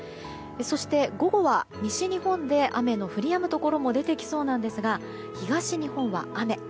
そして、午後は西日本で雨の降りやむところも出てきそうなんですが東日本は雨。